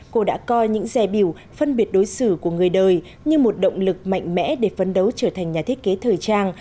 cô đã coi những dè biểu phân biệt đối xử của người đời như một động lực mạnh mẽ để phấn đấu trở thành nhà thiết kế thời trang